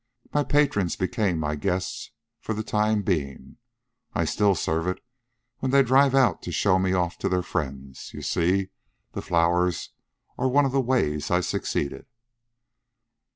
My patrons became my guests for the time being. I still serve it, when they drive out to show me off to their friends. So you see, the flowers are one of the ways I succeeded."